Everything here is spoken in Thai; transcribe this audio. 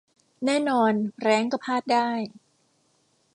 แน่นอน แร้งก็พลาดได้